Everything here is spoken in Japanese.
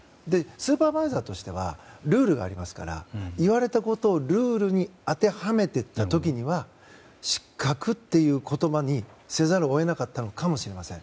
スーパーバイザーとしてはルールがありますから言われたことをルールに当てはめていった時には失格という言葉にせざるを得なかったのかもしれません。